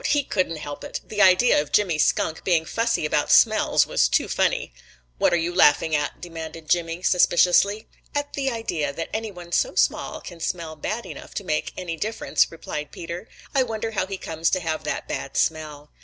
He couldn't help it. The idea of Jimmy Skunk being fussy about smells was too funny. "What are you laughing at?" demanded Jimmy, suspiciously. "At the idea that any one so small can smell bad enough to make any difference," replied Peter. "I wonder how he comes to have that bad smell."